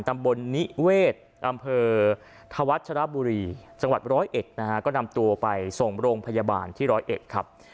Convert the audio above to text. ตำบลนิเวศอำเภอธวัชรบุรีจังหวัดร้อยเอ็ดนะฮะก็นำตัวไปส่งโรงพยาบาลที่ร้อยเอ็ดครับ